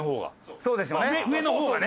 そうですよね。